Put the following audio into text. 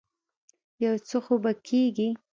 يو څه خو به کېږي.